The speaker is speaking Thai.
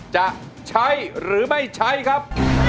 จะใช้หรือไม่ใช้ครับ